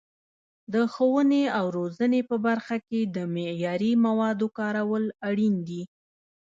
د ښوونې او روزنې په برخه کې د معیاري موادو کارول اړین دي.